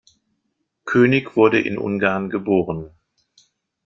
König wurde in Ungarn geboren.